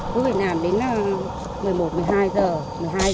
cứ phải làm đến một mươi một một mươi hai giờ